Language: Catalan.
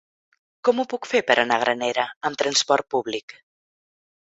Com ho puc fer per anar a Granera amb trasport públic?